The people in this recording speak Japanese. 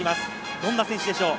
どんな選手でしょう？